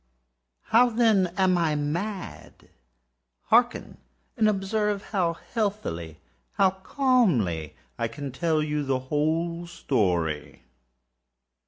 How, then, am I mad? Hearken! and observe how healthily—how calmly I can tell you the whole story.